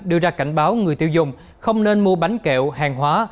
đưa ra cảnh báo người tiêu dùng không nên mua bánh kẹo hàng hóa